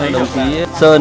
đồng chí sơn